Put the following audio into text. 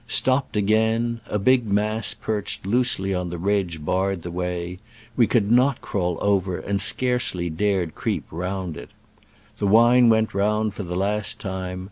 Stopped again — a big mass perched loosely on the ridge barred the way : we could not crawl over and scarcely dared creep round it. The wine went round for the last time.